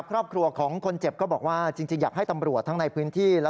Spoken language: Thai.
ครอบครัวของคนเจ็บก็บอกว่าจริงอยากให้ตำรวจทั้งในพื้นที่และ